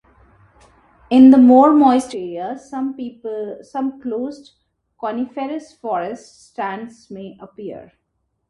In the more moist areas, some closed coniferous forest stands may appear.